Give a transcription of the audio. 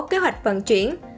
kế hoạch vận chuyển